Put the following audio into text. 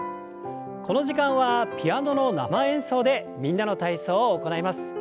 この時間はピアノの生演奏で「みんなの体操」を行います。